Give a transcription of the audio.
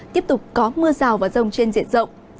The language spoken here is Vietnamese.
tiếp tục có mưa rào và rông trên diện rộng